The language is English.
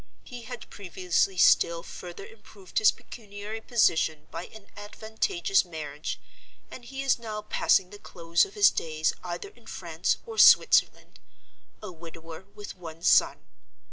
He had previously still further improved his pecuniary position by an advantageous marriage; and he is now passing the close of his days either in France or Switzerland—a widower, with one son.